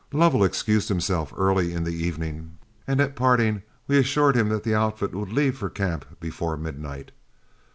Lovell excused himself early in the evening, and at parting we assured him that the outfit would leave for camp before midnight.